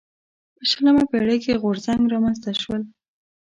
په شلمه پېړۍ کې غورځنګ رامنځته شول.